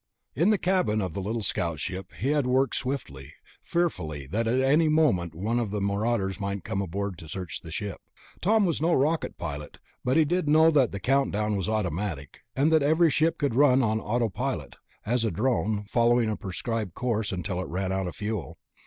In the cabin of the little scout ship he had worked swiftly, fearful that at any minute one of the marauders might come aboard to search it. Tom was no rocket pilot, but he did know that the count down was automatic, and that every ship could run on an autopilot, as a drone, following a prescribed course until it ran out of fuel.